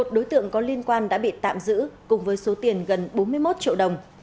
một mươi đối tượng có liên quan đã bị tạm giữ cùng với số tiền gần bốn mươi một triệu đồng